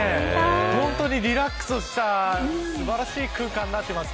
本当にリラックスした素晴らしい空間になっています。